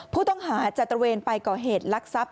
ผู้ต้องหาจะตระเวนไปก่อเหตุลักษัพ